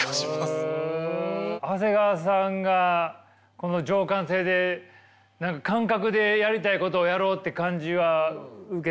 長谷川さんがこの情感性で何か感覚でやりたいことをやろうって感じは受け取れました。